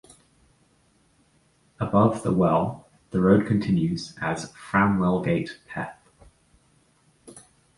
Above the well the road continues as Framwellgate Peth.